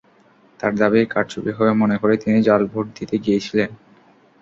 তাঁর দাবি, কারচুপি হবে মনে করেই তিনি জাল ভোট দিতে গিয়েছিলেন।